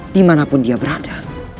dimanapun dia berada